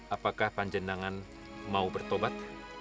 apakah panjendengan mau bertobat